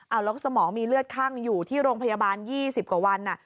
เอาแล้วสมองมีเลือดคั่งอยู่ที่โรงพยาบาล๒๐กว่าวัน